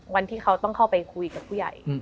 วันที่เขาต้องเข้าไปคุยกับผู้ใหญ่